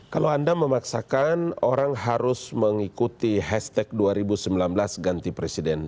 kalau anda memaksakan orang harus mengikuti hashtag dua ribu sembilan belas ganti presiden